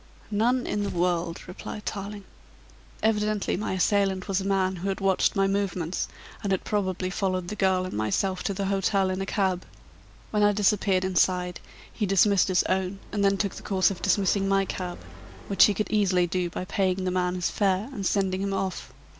"None in the world," replied Tarling. "Evidently my assailant was a man who had watched my movements and had probably followed the girl and myself to the hotel in a cab. When I disappeared inside he dismissed his own and then took the course of dismissing my cab, which he could easily do by paying the man his fare and sending him off.